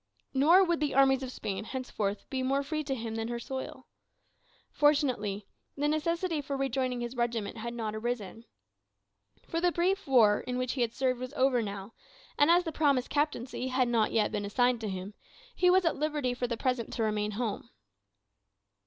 Nor would the armies of Spain henceforth be more free to him than her soil. Fortunately, the necessity for rejoining his regiment had not arisen. For the brief war in which he served was over now; and as the promised captaincy had not yet been assigned to him, he was at liberty for the present to remain at home.